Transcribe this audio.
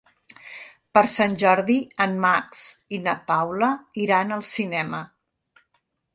Per Sant Jordi en Max i na Paula iran al cinema.